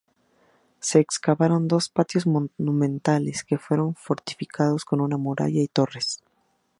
Se excavaron dos patios monumentales, que fueron fortificados con una muralla y torres.